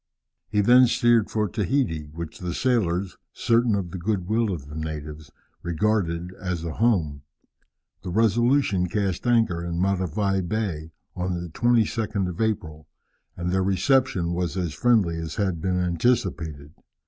He then steered for Tahiti, which the sailors, certain of the good will of the natives, regarded as a home. The Resolution cast anchor in Matavai Bay on the 22nd of April, and their reception was as friendly as had been anticipated.